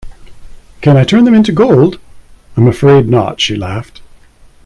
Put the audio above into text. “Can I turn them into gold?” “I’m afraid not,” she laughed.